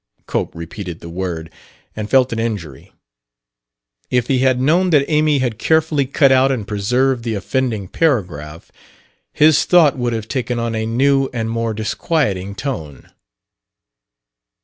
Cope repeated the word, and felt an injury. If he had known that Amy had carefully cut out and preserved the offending paragraph, his thought would have taken on a new and more disquieting tone.